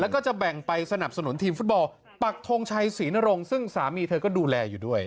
แล้วก็จะแบ่งไปสนับสนุนทีมฟุตบอลปักทงชัยศรีนรงค์ซึ่งสามีเธอก็ดูแลอยู่ด้วย